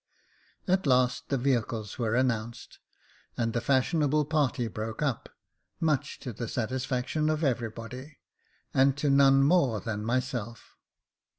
At last the vehicles were announced, and the fashionable party broke up, much to the satisfaction of everybody, and to none more than myself.